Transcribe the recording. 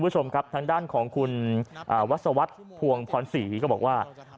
ทางด้านของคุณวัศวัฒน์ภวงพรษีก็บอกว่า